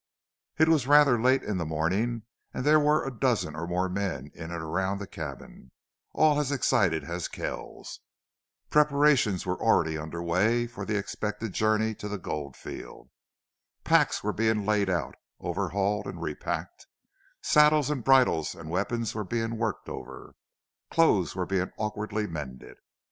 It was rather late in the morning and there were a dozen or more men in and around the cabin, all as excited as Kells. Preparations were already under way for the expected journey to the gold field. Packs were being laid out, overhauled, and repacked; saddles and bridles and weapons were being worked over; clothes were being awkwardly mended.